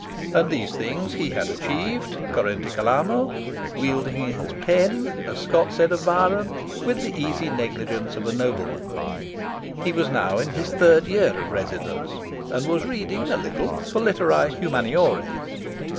And these things he had achieved currente calamo, "wielding his pen," as Scott said of Byron, "with the easy negligence of a nobleman." He was now in his third year of residence, and was reading, a little, for Literae Humaniores.